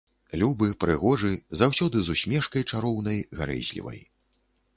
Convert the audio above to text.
Любы, прыгожы, заўсёды з усмешкай чароўнай, гарэзлівай.